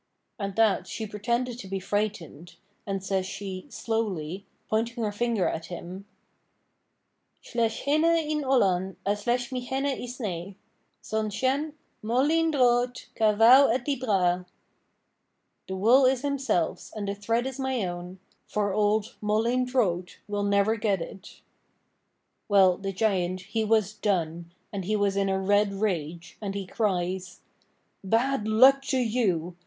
At that she pretended to be frightened, and says she, slowly, pointing her finger at him: 'S'lesh hene yn ollan, as lesh my hene y snaie, Son shenn Moll YN DROAT cha vow eh dy braa.' The wool is Himself's, and the thread is my own, For old Moll YN DROAT will never get it. Well the Giant, he was done, and he was in a red rage, and he cries: 'Bad luck to you!